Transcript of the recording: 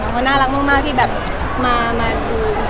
ก็น่ารักมากที่มาอาวุธ